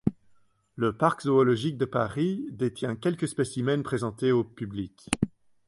Le Parc Zoologique de Paris détient quelques spécimens présentés au public.